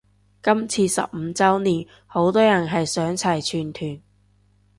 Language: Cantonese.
今次十五周年好多人係想齊全團